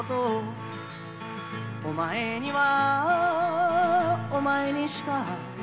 「お前にはお前にしか」